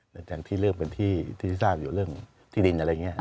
หลังจากที่เริ่มเป็นที่ทราบอยู่เรื่องที่ดินอะไรอย่างนี้